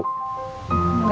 gak gunain ya